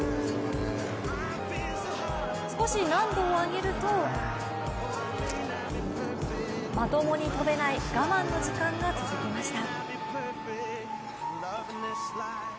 少し難度を上げるとまともに跳べない我慢の時間が続きました。